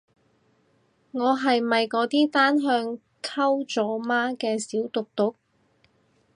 我係咪嗰啲單向溝組媽嘅小毒毒